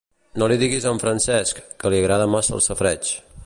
No li diguis a en Francesc, que li agrada massa fer safareig.